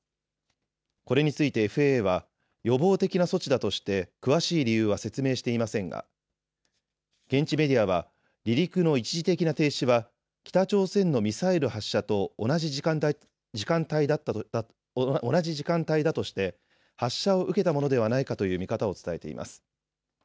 これについてＦＡＡは予防的な措置だとして詳しい理由は説明していませんが現地メディアは離陸の一時的な停止は北朝鮮のミサイル発射と同じ時間帯だとして発射を受けたものではないかという見方を伝えています。